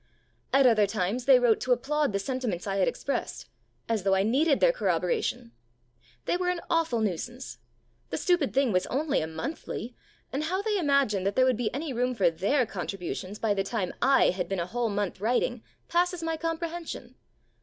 At other times they wrote to applaud the sentiments I had expressed as though I needed their corroboration! They were an awful nuisance. The stupid thing was only a monthly, and how they imagined that there would be any room for their contributions, by the time I had been a whole month writing, passes my comprehension.